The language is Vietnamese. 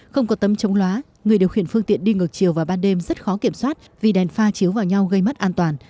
không có tấm chống lóa người điều khiển phương tiện đi ngược chiều vào ban đêm rất khó kiểm soát vì đèn pha chiếu vào nhau gây mất an toàn